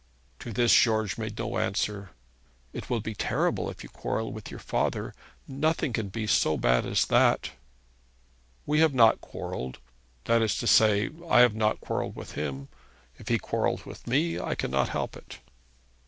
To this George made no answer. 'It will be terrible if you quarrel with your father. Nothing can be so bad as that.' 'We have not quarrelled. That is to say, I have not quarrelled with him. If he quarrels with me, I cannot help it.'